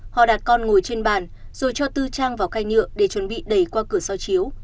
họ đặt con ngồi trên bàn rồi cho tư trang vào cây nhựa để chuẩn bị đẩy qua cửa so chiếu